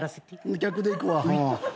客でいくわ。